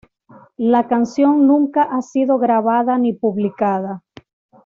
La canción nunca ha sido grabada ni publicada.